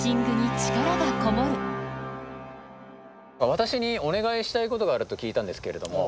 私にお願いしたいことがあると聞いたんですけれども。